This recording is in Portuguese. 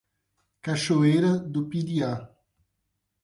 Cachoeira do Piriá